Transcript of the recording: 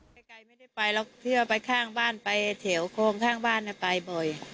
ใกล้ไม่ได้ไปหรอกเที่ยวไปข้างบ้านไปแถวโครงข้างบ้านไปบ่อย